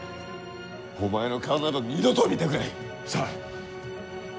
お前の顔など二度と見たくない。さあ。